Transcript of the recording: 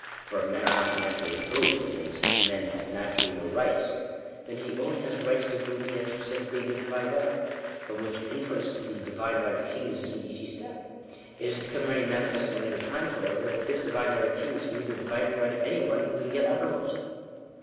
For, if men are not naturally free, that is, if men have naturally no rights, then, he only has rights to whom they are specially given by God. From which inference to " the divine right of kings" is an easy step. It has become very manifest in later times, however, that this divine right of kings, means the divine right of any one who can get uppermost.